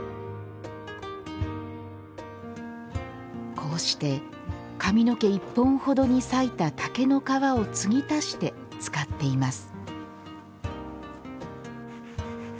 こうして髪の毛１本程に割いた竹の皮を継ぎ足して使っています。